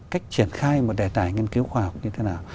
cách triển khai một đề tài nghiên cứu khoa học như thế nào